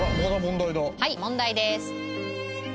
はい問題です。